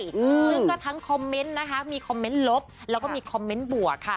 ซึ่งก็ทั้งคอมเมนต์นะคะมีคอมเมนต์ลบแล้วก็มีคอมเมนต์บวกค่ะ